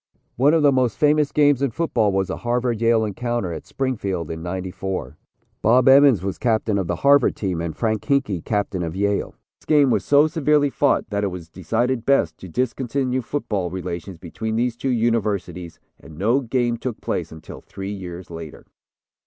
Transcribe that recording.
One of the most famous games in football was the Harvard Yale encounter at Springfield in '94. Bob Emmons was captain of the Harvard team and Frank Hinkey captain of Yale. This game was so severely fought that it was decided best to discontinue football relations between these two universities and no game took place until three years later.